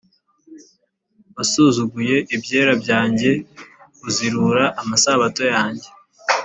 Wasuzuguye ibyera byanjye, uzirura n’amasabato yanjye